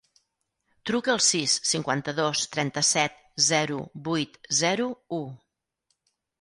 Truca al sis, cinquanta-dos, trenta-set, zero, vuit, zero, u.